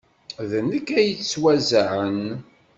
D nekk ay yettwaẓẓɛen.